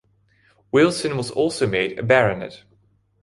Wilson was also made a baronet.